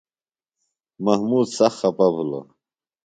محمود سخت خپہ بِھلوۡ۔